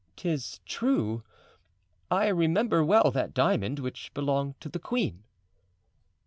"'Tis true. I remember well that diamond, which belonged to the queen."